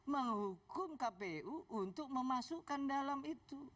menghukum kpu untuk memasukkan dalam itu